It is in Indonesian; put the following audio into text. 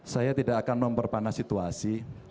saya tidak akan memperpanas situasi